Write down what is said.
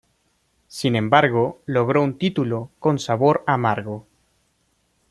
Sin embargo logró un título con sabor a amargo.